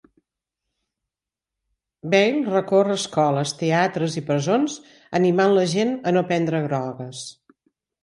Bell recorre escoles, teatres i presons, animant la gent a no prendre drogues.